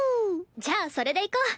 じゃあそれでいこう。